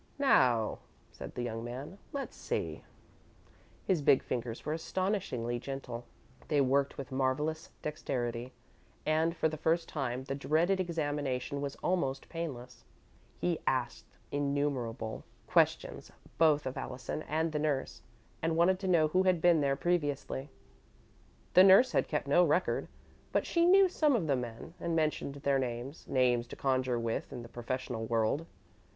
"Now," said the young man, "let's see." His big fingers were astonishingly gentle, they worked with marvellous dexterity, and, for the first time, the dreaded examination was almost painless. He asked innumerable questions both of Allison and the nurse, and wanted to know who had been there previously. The nurse had kept no record, but she knew some of the men, and mentioned their names names to conjure with in the professional world.